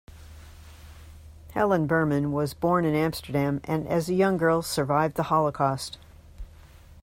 Helen Berman was born in Amsterdam and as a young girl survived the Holocaust.